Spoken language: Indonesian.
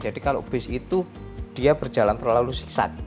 jadi kalau bus itu dia berjalan terlalu siksa